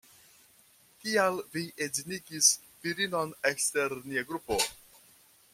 Kial vi edzinigis virinon ekster nia grupo?